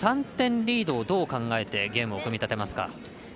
３点リードをどう考えてゲームを組み立てますか？